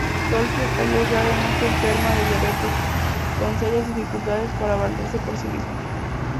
Tolkien cayó gravemente enferma de diabetes, con serias dificultades para valerse por sí misma.